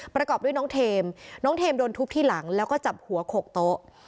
ประกอบด้วยน้องเทมน้องเทมโดนทุบที่หลังแล้วก็จับหัวโขกโต๊ะ